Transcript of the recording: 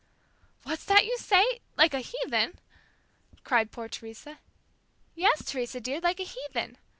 "What's that you say? Like a heathen?" cried poor Teresa. "Yes, Teresa dear, like a heathen.